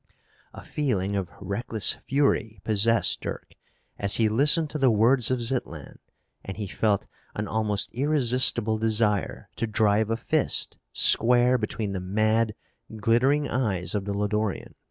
A feeling of reckless fury possessed Dirk as he listened to the words of Zitlan and he felt an almost irresistible desire to drive a fist square between the mad, glittering eyes of the Lodorian.